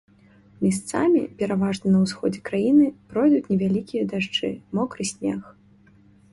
Месцамі, пераважна на ўсходзе краіны, пройдуць невялікія дажджы, мокры снег.